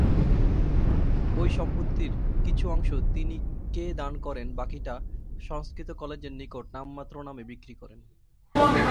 ওই সম্পত্তির কিছু অংশ তিনি কে দান করেন বাকিটা সংস্কৃত কলেজের নিকট নামমাত্র দামে বিক্রি করেন।